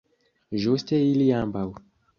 Ĝuste ili ambaŭ!